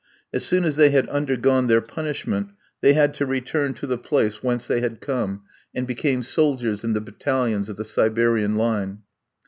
As soon as they had undergone their punishment they had to return to the place whence they had come, and became soldiers in the battalions of the Siberian Line.